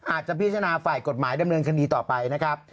อาจจะพิจารณาฝ่ายกฎหมายดำเนินคดีต่อไปนะครับ